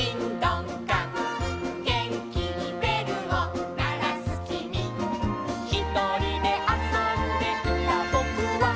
「げんきにべるをならすきみ」「ひとりであそんでいたぼくは」